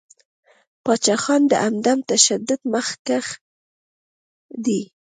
پاچاخان د عدم تشدد مخکښ دی.